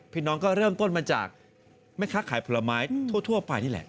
น้องก็เริ่มต้นมาจากแม่ค้าขายผลไม้ทั่วไปนี่แหละ